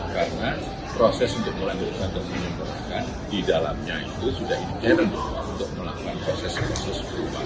karena proses untuk melanjutkan dan menyempurnakan di dalamnya itu sudah internal untuk melakukan proses proses perubahan